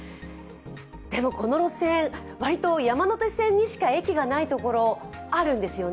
でもこの路線、割と山手線にしか駅がないところがあるんですよね。